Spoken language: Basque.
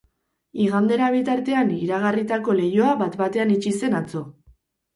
Igandera bitartean iragarritako leihoa bat-batean itxi zen atzo.